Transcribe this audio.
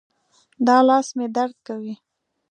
دا لاس مې درد کوي